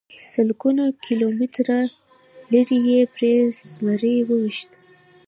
سلګونه کیلومتره لرې یې پرې زمری وويشت.